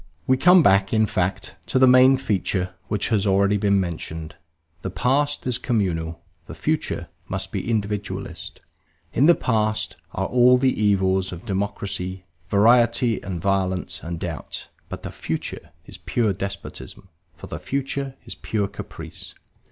We come back, in fact, to the main feature which has already been mentioned. The past is communal: the future must be individualist. In the past are all the evils of democracy, variety and violence and doubt, but the future is pure despotism, for the future is pure caprice.